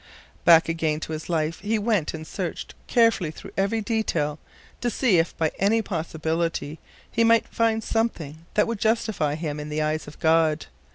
Back again to his life he went and searched carefully through every detail to see if by any possibility he might find something that would justify him in the eyes of God.